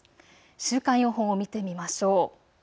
週間予報を見てみましょう。